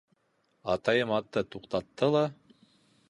Атайым атты туҡтатты ла: